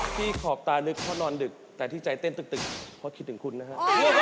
ขอบตาลึกเพราะนอนดึกแต่ที่ใจเต้นตึกเพราะคิดถึงคุณนะฮะ